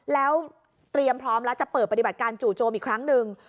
แล้วเตรียมพร้อมแล้วจะเปิดปฏิบัติการจู่โจมอีกครั้งหนึ่ง